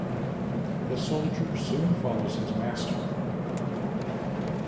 The soldier soon follows his master.